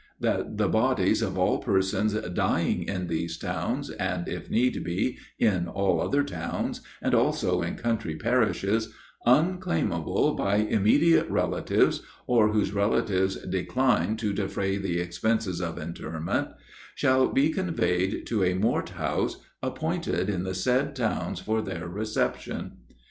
That the bodies of all persons dying in these towns, and, if need be, in all other towns, and also in country parishes, unclaimable by immediate relatives, or whose relatives decline to defray the expenses of interment, shall be conveyed to a mort house appointed in the said towns for their reception.